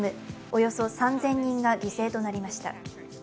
およそ３０００人が犠牲となりました。